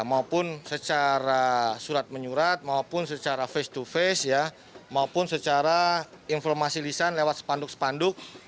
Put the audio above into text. maupun secara surat menyurat maupun secara face to face ya maupun secara informasi lisan lewat spanduk spanduk